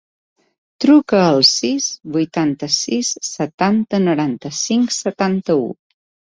Truca al sis, vuitanta-sis, setanta, noranta-cinc, setanta-u.